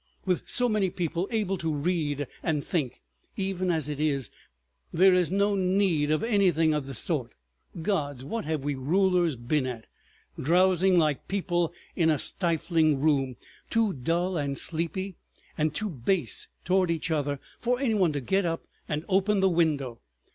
With so many people able to read and think—even as it is—there is no need of anything of the sort. Gods! What have we rulers been at? ... Drowsing like people in a stifling room, too dull and sleepy and too base toward each other for any one to get up and open the window.